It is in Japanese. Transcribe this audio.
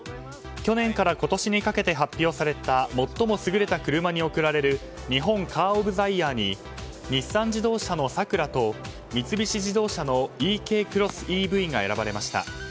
去年から今年にかけて発表された最も優れた車に贈られる日本カー・オブ・ザ・イヤーに日産自動車のサクラと三菱自動車のｅＫクロスＥＶが贈られました。